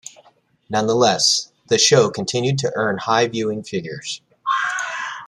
Nonetheless, the show continued to earn high viewing figures.